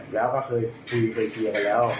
แล้วเคยเชียร์กันแล้ว